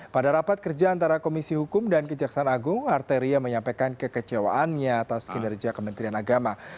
pada rapat kerja antara komisi hukum dan kejaksaan agung arteria menyampaikan kekecewaannya atas kinerja kementerian agama